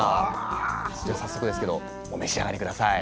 じゃあ早速ですけどお召し上がり下さい。